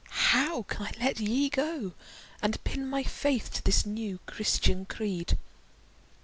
how can I let ye go And pin my faith to this new Christian creed?